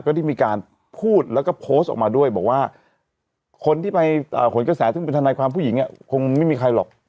ก็ได้มีการพูดแล้วก็โพสต์ออกมาด้วยบอกว่าคนที่ไปขนกระแสซึ่งเป็นทนายความผู้หญิงคงไม่มีใครหรอก